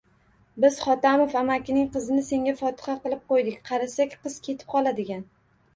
— Biz Hotamov amakingni qizini senga fotiha qilib qo‘ydik. Qarasak, qiz ketib qoladigan.